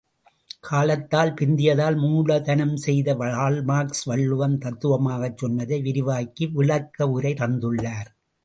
காலத்தால் பிந்தியதால் மூலதனம் செய்த கார்ல்மார்க்சு, வள்ளுவம் தத்துவமாக சொன்னதை விரிவாக்கி விளக்க உரை தந்துள்ளார்.